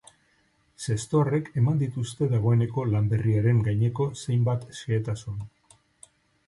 Zestoarrek eman dituzte dagoeneko lan berriaren gaineko zenbait xehetasun.